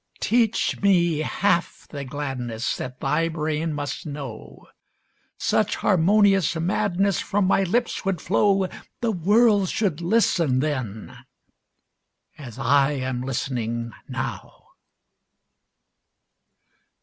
Teach me half the gladness That thy brain must know; Such harmonious madness From my lips would flow The world should listen then as I am listening now!